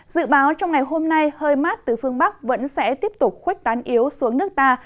dự báo trong ngày hôm nay hơi mát từ phương bắc vẫn sẽ tiếp tục khuếch tán yếu xuống nước ta